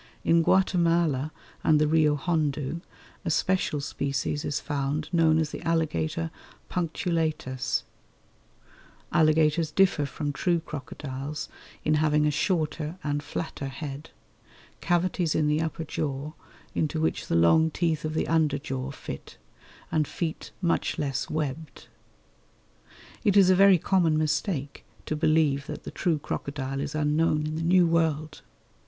In Guatemala and the Rio Hondu a special species is found known as the Alligator punctulatus. Alligators differ from true crocodiles in having a shorter and flatter head, cavities in the upper jaw into which the long teeth of the under jaw fit, and feet much less webbed. It is a very common mistake to believe that the true crocodile is unknown in the New World.